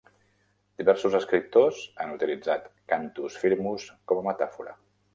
Diversos escriptors han utilitzat "cantus firmus" com a metàfora.